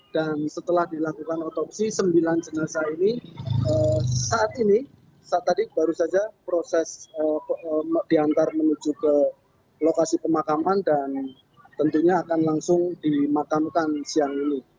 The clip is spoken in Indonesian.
dan setelah dilakukan otopsi sembilan jenazah ini saat ini saat tadi baru saja proses diantar menuju ke lokasi pemakaman dan tentunya akan langsung dimakamkan siang ini